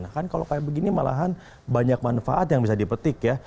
nah kan kalau kayak begini malahan banyak manfaat yang bisa dipetik ya